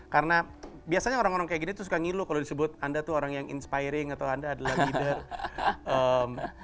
karena biasanya orang orang kayak gini tuh suka ngilu kalo disebut anda tuh orang yang inspiring atau anda adalah leader